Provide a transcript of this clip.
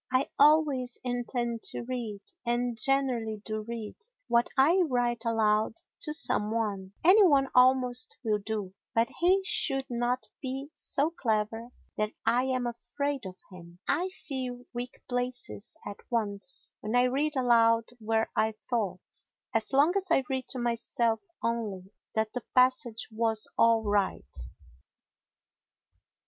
I always intend to read, and generally do read, what I write aloud to some one; any one almost will do, but he should not be so clever that I am afraid of him. I feel weak places at once when I read aloud where I thought, as long as I read to myself only, that the passage was all right.